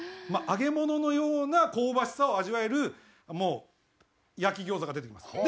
まあ揚げ物のような香ばしさを味わえるもう焼き餃子が出てきます。